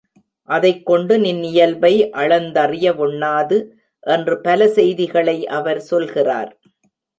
அதைக் கொண்டு நின் இயல்பை அளந்தறிய வொண்ணாது என்று பல செய்திகளை அவர் சொல்கிறார்.